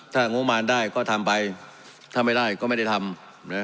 ถ้างบมารได้ก็ทำไปถ้าไม่ได้ก็ไม่ได้ทำนะ